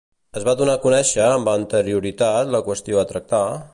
Es va donar a conèixer amb anterioritat la qüestió a tractar?